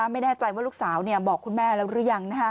ไม่แน่ใจว่าลูกสาวบอกคุณแม่แล้วหรือยัง